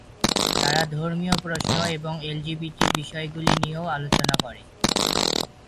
তারা ধর্মীয় প্রশ্ন এবং এলজিবিটি বিষয়গুলি নিয়েও আলোচনা করে।